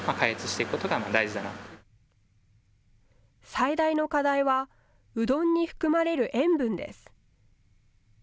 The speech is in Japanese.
最大の課題はうどんに含まれる塩分です。